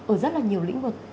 ở rất là nhiều lĩnh vực